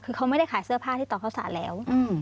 คือเขาไม่ได้ขายเสื้อผ้าที่ต่อเข้าสารแล้ว